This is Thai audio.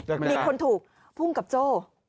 เล็กไหมครับมีคนถูกภูมิกับโจ้